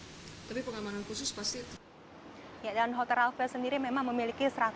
tapi pengamanan khusus pasti itu